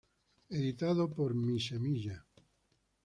Editado por Mi Semilla.